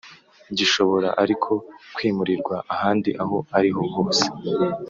Gishobora ariko kwimurirwa ahandi aho ariho hose